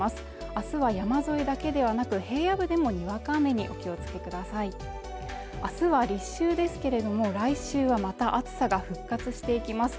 明日は山沿いだけではなく平野部でもにわか雨にお気をつけください明日は立秋ですけれども来週はまた暑さが復活していきます